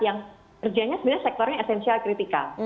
yang kerjanya sebenarnya sektornya esensial kritikal